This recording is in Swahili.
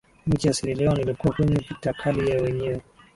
nchi ya Siera Leon ilikuwa kwenye vita kali ya wenyewe